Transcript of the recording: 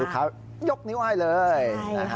ลูกค้ายกนิ้วไอเลย